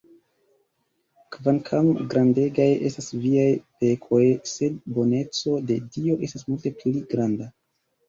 Kvankam grandegaj estas viaj pekoj, sed boneco de Dio estas multe pli granda!